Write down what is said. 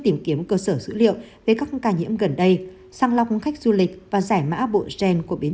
tìm kiếm cơ sở dữ liệu về các ca nhiễm gần đây sang lọc khách du lịch và giải mã bộ gen của biến